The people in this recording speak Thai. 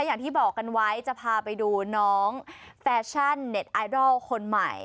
อย่างที่บอกกันไว้จะพาไปดูน้องแฟชั่นเน็ตไอดอลคนใหม่